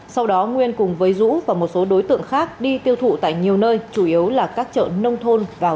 sau đó nguyên cùng với dũ và một số đối tượng khác đi tiêu thụ tại nhiều nơi chủ yếu là các chợ nông thôn